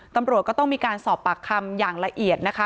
ตำรวจก็ต้องมีการสอบปากคำอย่างละเอียดนะคะ